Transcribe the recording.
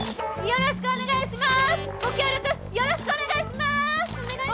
よろしくお願いします！